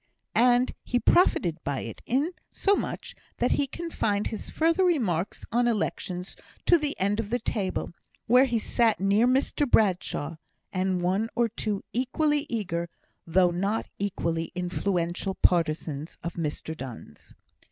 And he profited by it, insomuch that he confined his further remarks on elections to the end of the table, where he sat near Mr Bradshaw, and one or two equally eager, though not equally influential partisans of Mr Donne's.